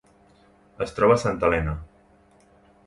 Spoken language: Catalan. Es troba a Santa Helena.